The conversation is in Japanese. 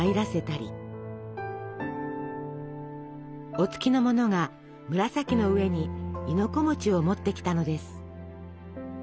お付きの者が紫の上に亥の子を持ってきたのです。